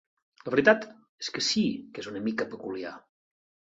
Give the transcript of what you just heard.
La veritat és que sí que és una mica peculiar.